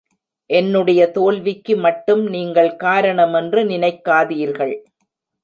என்னுடைய தோல்விக்கு மட்டும் நீங்கள் காரணமென்று நினைக்காதீர்கள்.